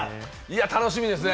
楽しみですね。